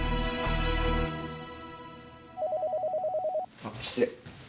あっ失礼。